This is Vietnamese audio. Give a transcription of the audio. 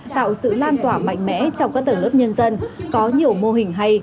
tạo sự lan tỏa mạnh mẽ trong các tầng lớp nhân dân có nhiều mô hình hay